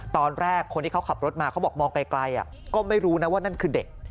ตอนแรกคนที่เขาขับรถมาเขาบอกมองไกลก็ไม่รู้นะว่านั่นคือเด็ก